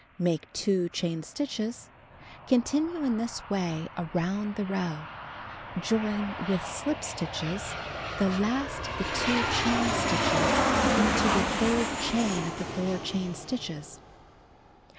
Make 2 chain stitches. Continue in this way around the row. Join (with shp stitches) the last of the 2 chain stitches into the third chain of the 4 chain stitches.